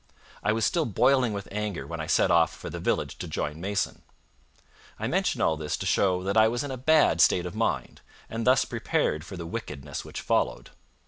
I was still boiling with anger when I set off for the village to join Mason. I mention all this to show that I was in a bad state of mind, and thus prepared for the wickedness which followed.